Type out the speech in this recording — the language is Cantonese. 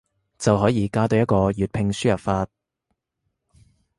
就可以加多一個粵拼輸入法